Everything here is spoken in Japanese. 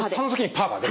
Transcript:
パー！